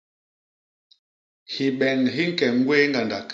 Hibeñ hi ñke ñgwéé ñgandak.